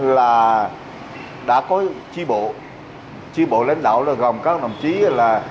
là đã có tri bộ lãnh đạo gồm các đồng chí là